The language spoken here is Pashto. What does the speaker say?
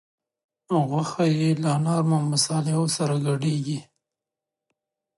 غوښه یې له نرمو مصالحو سره ګډیږي.